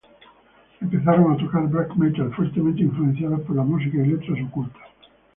Empezaron a tocar black metal, fuertemente influenciados por la música y letras ocultas.